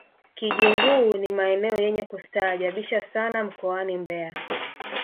kijunguu ni maeneo yenye kustaajabisha sana mkoani mbeya